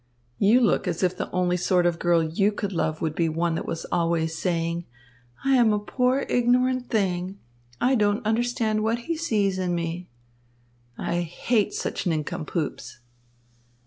You look as if the only sort of girl you could love would be one that was always saying, 'I am a poor, ignorant thing. I don't understand what he sees in me.' I hate such nincompoops!"